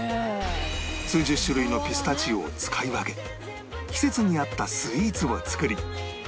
数十種類のピスタチオを使い分け季節に合ったスイーツを作り